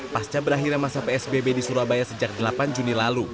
pasca berakhirnya masa psbb di surabaya sejak delapan juni lalu